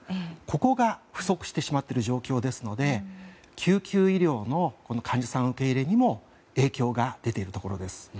ここが不足してしまっている状況ですので救急医療の患者さん受け入れにも影響が出ているところです。